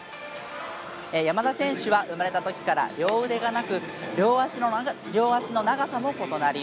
山田選手は生まれたときから両腕がなく両足の長さも異なります。